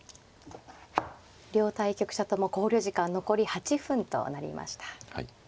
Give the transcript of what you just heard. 両対局者とも考慮時間残り８分となりました。